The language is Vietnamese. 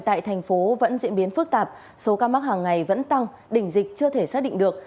tại thành phố vẫn diễn biến phức tạp số ca mắc hàng ngày vẫn tăng đỉnh dịch chưa thể xác định được